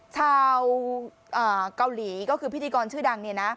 ชาวเกาหลีก็คือพิธีกรชื่อดังเนี่ยนะ